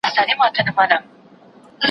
زه پرون درسونه واورېدل،